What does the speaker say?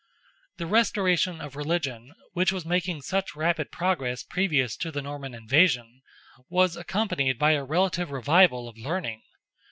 The restoration of religion, which was making such rapid progress previous to the Norman invasion, was accompanied by a relative revival of learning.